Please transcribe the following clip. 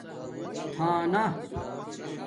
تھانہ